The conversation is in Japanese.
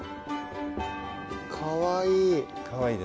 かわいい。